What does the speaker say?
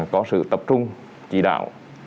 có sự tập trung chỉ đạo